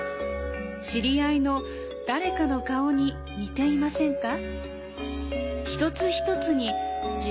知り合いの誰かの顔に似ていませんか。